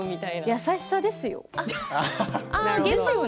優しさですよ。